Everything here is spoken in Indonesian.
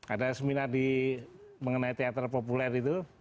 ada seminar mengenai teater populer itu